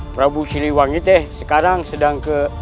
prabu siliwangi teh sekarang sedang ke